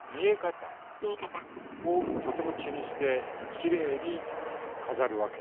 見え方。をとても気にしてきれいに飾るわけ。